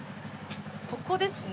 ここですね。